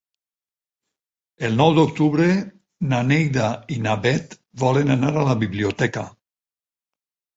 El nou d'octubre na Neida i na Bet volen anar a la biblioteca.